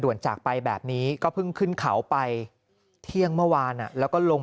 จากไปแบบนี้ก็เพิ่งขึ้นเขาไปเที่ยงเมื่อวานแล้วก็ลง